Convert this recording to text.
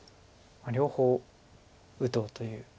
両方打とうという。